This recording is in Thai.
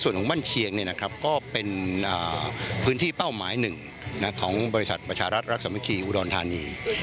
ส่วนของมั่นเชียงก็เป็นพื้นที่เป้าหมายหนึ่งของบริษัทประชารัฐรักสามัคคีอุดรธานี